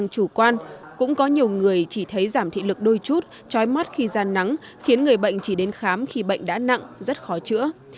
chủ quan cũng có nhiều người chỉ thấy giảm thị lực đôi chút trói mắt khi ra nắng khiến người bệnh chỉ đến khám khi bệnh đã nặng rất khó chữa